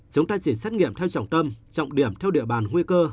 chúng ta chỉ xét nghiệm theo trọng tâm trọng điểm theo địa bàn nguy cơ